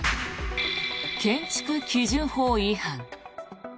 建築基準法違反。